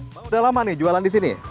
sudah lama nih jualan di sini